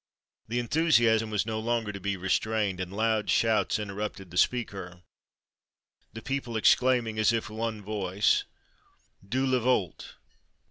The enthusiasm was no longer to be restrained, and loud shouts interrupted the speaker; the people exclaiming as if with one voice, "_Dieu le veult!